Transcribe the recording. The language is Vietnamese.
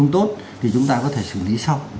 tốt thì chúng ta có thể xử lý sau